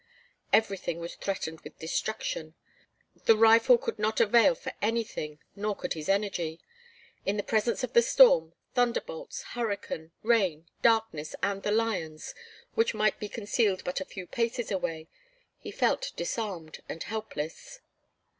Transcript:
Everything was threatened with destruction. The rifle could not avail for anything, nor could his energy. In the presence of the storm, thunderbolts, hurricane, rain, darkness, and the lions, which might be concealed but a few paces away, he felt disarmed and helpless.